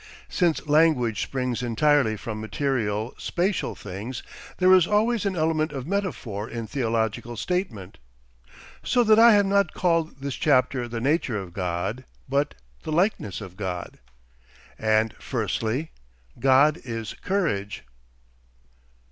Since language springs entirely from material, spatial things, there is always an element of metaphor in theological statement. So that I have not called this chapter the Nature of God, but the Likeness of God. And firstly, GOD IS COURAGE.